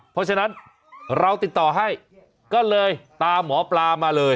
เพราะฉะนั้นเราติดต่อให้ก็เลยตามหมอปลามาเลย